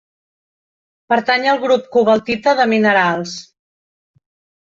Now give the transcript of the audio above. Pertany al grup cobaltita de minerals.